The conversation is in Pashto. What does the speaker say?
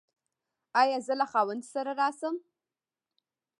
ایا زه له خاوند سره راشم؟